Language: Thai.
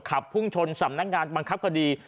ขับพุ่งชนสำนักงานบังคับคดี